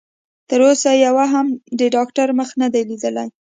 تر اوسه يوه هم د ډاکټر مخ نه دی ليدلی.